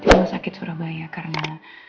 dengan sakit surabaya karena